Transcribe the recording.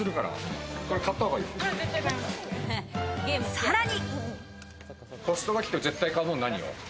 さらに。